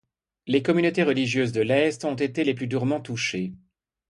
Les communautés religieuses de l'Est ont été les plus durement touchées.